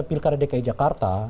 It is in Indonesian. di pilkada dki jakarta